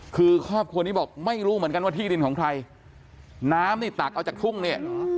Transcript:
คือครอบครัวนี้บอกไม่รู้เหมือนกันว่าที่ดินของใครน้ำนี่ตักเอาจากทุ่งเนี่ย